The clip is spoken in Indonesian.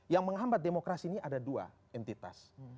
yang menghambat demokrasi ini ada dua entitas